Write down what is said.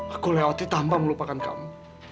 aku lewati tanpa melupakan kamu